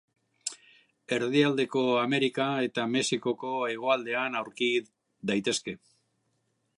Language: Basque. Erdialdeko Amerika eta Mexikoko hegoaldean aurki daitezke.